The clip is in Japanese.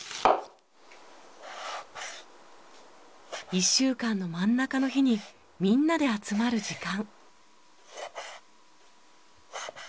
一週間の真ん中の日にみんなで集まる時間。